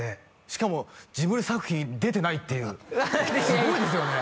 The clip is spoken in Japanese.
しかもジブリ作品出てないっていうすごいですよね